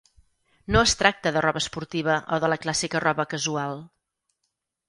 No es tracta de roba esportiva o de la clàssica roba casual.